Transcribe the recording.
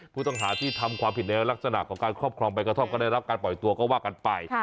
ผู้ต้องหาที่ทำความผิดในลักษณะของการครอบครองใบกระท่อมก็ได้รับการปล่อยตัวก็ว่ากันไป